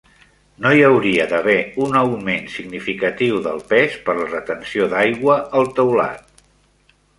No hi hauria d"haver un augment significatiu del pes per la retenció d"aigua al teulat.